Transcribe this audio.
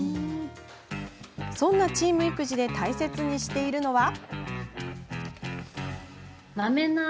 そんなチーム育児で大切にしているのは。